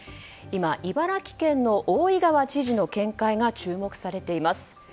今、茨城県の大井川知事の見解が注目されています。